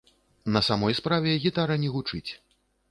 На самой справе, гітара не гучыць.